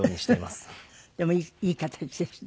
でもいい形ですね。